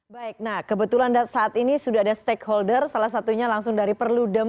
baik nah kebetulan saat ini sudah ada stakeholder salah satunya langsung dari perludem